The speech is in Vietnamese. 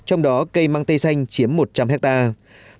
trong đó cây mang tây xanh chiếm một trăm linh hectare